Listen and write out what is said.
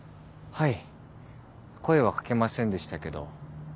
はい。